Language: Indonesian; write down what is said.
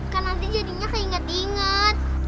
kan nanti jadinya kayak inget inget